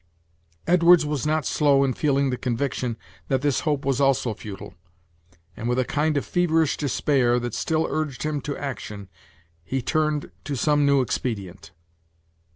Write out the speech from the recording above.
Edwards was not slow in feeling the conviction that this hope was also futile, and, with a kind of feverish despair that still urged him to action, he turned to some new expedient.